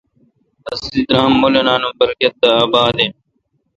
اسی درام مولینان ام برکت دے اباد این۔